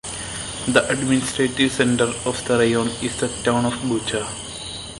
The administrative center of the raion is the town of Bucha.